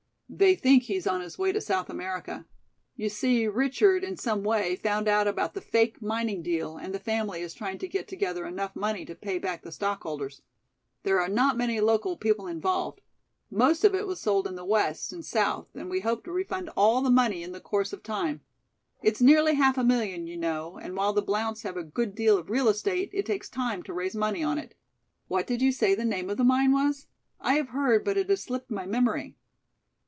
"They think he's on his way to South America. You see, Richard, in some way, found out about the fake mining deal and the family is trying to get together enough money to pay back the stockholders. There are not many local people involved. Most of it was sold in the West and South and we hope to refund all the money in the course of time. It's nearly half a million, you know, and while the Blounts have a good deal of real estate, it takes time to raise money on it." "What did you say the name of the mine was? I have heard, but it has slipped my memory."